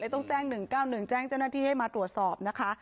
ต้องแจ้ง๑๙๑แจ้งเจ้าหน้าที่ให้มาตรวจสอบนะคะ